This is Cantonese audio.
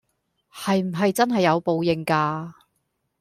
係唔係真係有報應架